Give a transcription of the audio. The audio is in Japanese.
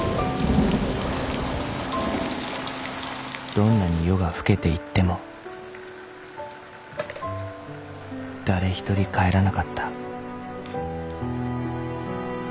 ［どんなに夜が更けていっても誰一人帰らなかった］